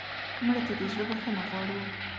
مړه ته د زړه بښنه غواړو